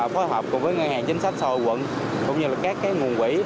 phối hợp cùng với ngân hàng chính sách xã hội quận cũng như các nguồn quỹ